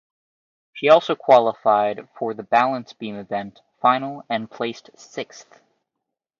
She also qualified for the balance beam event final and placed sixth.